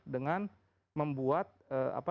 dengan membuat apa